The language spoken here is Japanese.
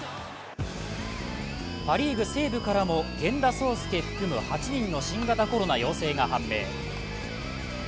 パ・リーグ、西武からも源田壮亮含む８人の新型コロナ陽性が判明。